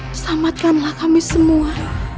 selamatkanlah kami semua